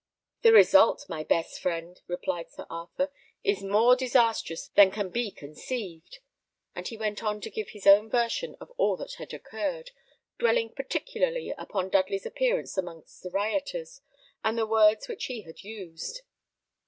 "The result, my best friend," replied Sir Arthur, "is more disastrous than can be conceived." And he went on to give his own version of all that had occurred, dwelling particularly upon Dudley's appearance amongst the rioters, and the words which he had used.